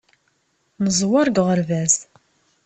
Neẓwer deg uɣerbaz.